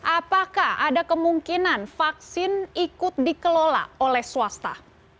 apakah ada kemungkinan vaksin ikut dikelola oleh swasta